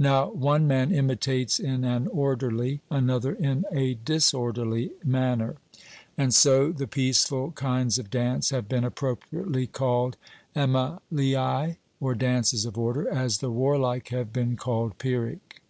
Now one man imitates in an orderly, another in a disorderly manner: and so the peaceful kinds of dance have been appropriately called Emmeleiai, or dances of order, as the warlike have been called Pyrrhic.